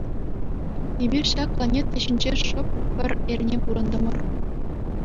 Эпир ҫак планета ҫинче шӑп пӗр эрне пурӑнтӑмӑр.